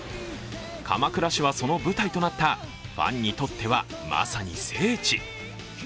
鎌倉市はその舞台となったファンにとっては、まさに聖地。